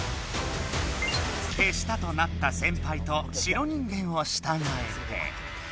手下となった先輩と白人間をしたがえて。